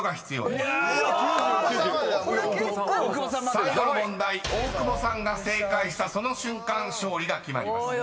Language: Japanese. ［最後の問題大久保さんが正解したその瞬間勝利が決まります］